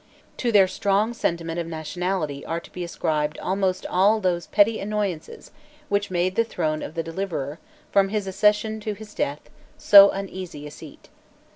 To their strong sentiment of nationality are to be ascribed almost all those petty annoyances which made the throne of the Deliverer, from his accession to his death, so uneasy a seat.